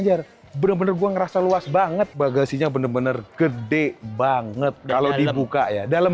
ajar bener bener gue ngerasa luas banget bagasinya bener bener gede banget kalau dibuka ya dalam